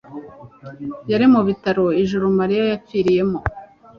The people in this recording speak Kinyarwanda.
yari mu bitaro ijoro Mariya yapfiriyemo.